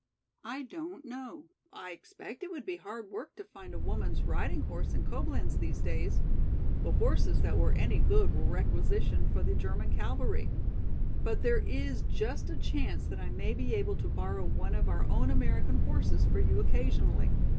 "I don't know, I expect it would be hard work to find a woman's riding horse in Coblenz these days. The horses that were any good were requisitioned for the German cavalry. But there is just a chance that I may be able to borrow one of our own American horses for you occasionally.